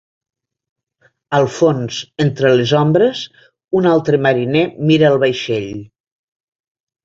Al fons, entre les ombres, un altre mariner mira al vaixell.